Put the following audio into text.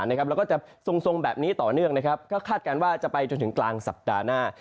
แล้วก็จะทรงแบบนี้ต่อเนื่องนะครับก็คาดการณ์ว่าจะไปจนถึงกลางสัปดาห์หน้า